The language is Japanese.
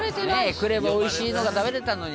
「来ればおいしいのが食べれたのに」